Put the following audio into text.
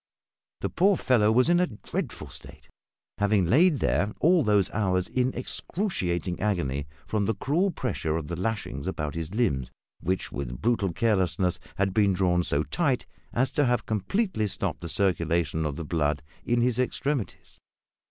The poor fellow was in a dreadful state, having lain there all those hours in excruciating agony from the cruel pressure of the lashings about his limbs, which, with brutal carelessness, had been drawn so tight as to have completely stopped the circulation of the blood in his extremities.